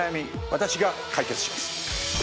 私が解決します